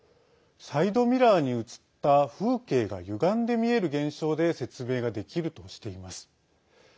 サイドミラーに写った風景がゆがんで見える現象で説明ができるとしています。